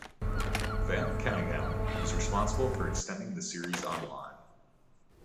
Van Caneghem was responsible for extending the series online.